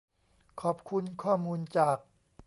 ขอบคุณข้อมูลจาก